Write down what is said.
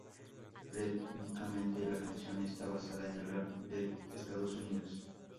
Rítmicamente, la canción está basada en el rap de Estados Unidos.